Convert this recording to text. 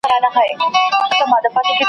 چي د دې په بچو موړ وو پړسېدلې`